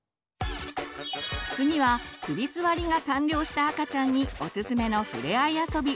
次は首すわりが完了した赤ちゃんにおすすめのふれあい遊び。